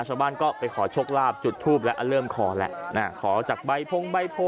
ชาวบ้านก็ไปขอโชคลาภจุดทูปแล้วเริ่มขอแล้วขอจากใบพงใบโพ